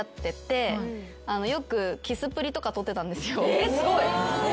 えすごい！